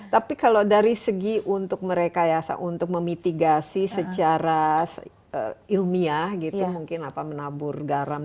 tapi kalau dari segi untuk merekayasa untuk memitigasi secara ilmiah gitu mungkin apa menabur garam